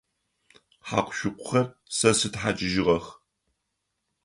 Хьакъу-шыкъухэр сэ стхьакӏыжьыгъэх.